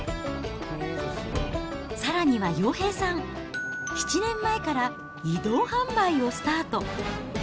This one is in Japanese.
さらには洋平さん、７年前から移動販売をスタート。